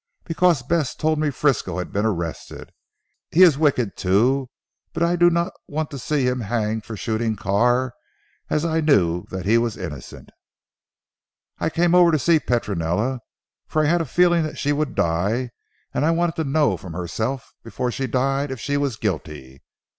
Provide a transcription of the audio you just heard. "Because Bess told me Frisco had been arrested. He is wicked too, but I did not want him to be hanged for shooting Carr, as I knew that he was innocent. I came over to see Petronella, for I had a feeling that she would die, and I wanted to know from herself before she died if she was guilty.